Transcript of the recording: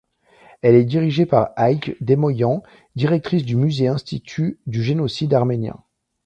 Elle est dirigée par Hayk Demoyan, directeur du Musée-Institut du Génocide arménien.